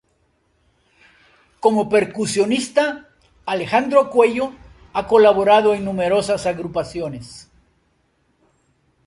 Como Percusionista, Alejandro Coello ha colaborado en numerosas agrupaciones.